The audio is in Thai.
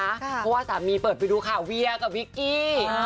เพราะว่าสามีเปิดไปดูค่ะเวียกับวิกกี้